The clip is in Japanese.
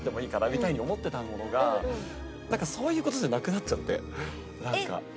みたいに思ってたものがなんかそういう事じゃなくなっちゃって。